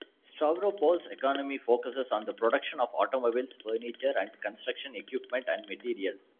Stavropol's economy focuses on the production of automobiles, furniture, and construction equipment and materials.